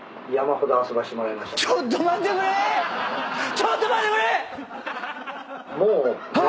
ちょっと待ってくれ！